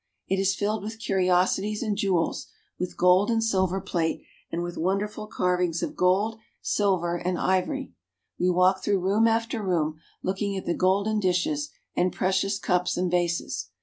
It is filled with curiosities and jewels, with gold and silver plate, and with wonderful carvings of gold, silver, and ivory. We walk through room after room, looking at the golden dishes and precious cups and vases.